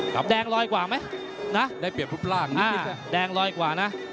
แดงลอยกว่าไหมนะได้เปรียบรูปร่างนะแดงลอยกว่านะ